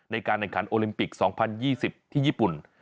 ในการแข่งขันโอลิมปิก๒๐๒๐ที่ญี่ปุ่น